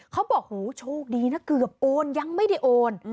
เขาบอกโหโชคดีนะเกือบโอนยังไม่ได้โอน